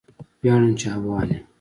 ویاړم چې افغان یم